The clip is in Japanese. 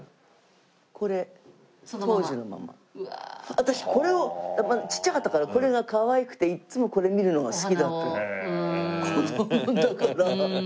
私これをちっちゃかったからこれがかわいくていつもこれ見るのが好きだったの子供の頃。